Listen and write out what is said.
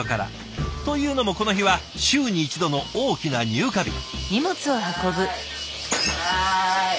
というのもこの日は週に一度の大きな入荷日。